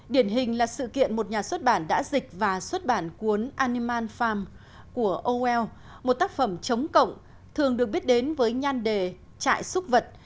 điển hình là sự kiện một nhà xuất bản đã dịch và xuất bản cuốn animan farm của on một tác phẩm chống cộng thường được biết đến với nhan đề trại xúc vật